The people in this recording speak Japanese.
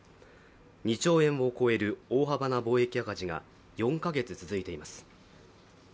２兆円を超える大幅な貿易赤字が４か月続いています。